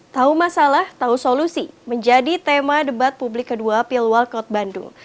tahu masalah tahu solusi menjadi tema debat publik kedua pilwal kot bandung